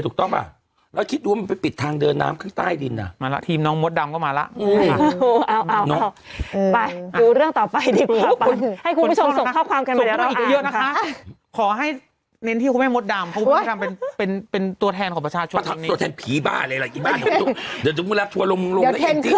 ก็เขาเพิ่งทำงานมากี่เดือนสองเดือนได้ยัง